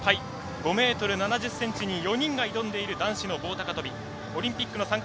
５ｍ７０ｃｍに４人が挑んでいる、男子の棒高跳びオリンピックの参加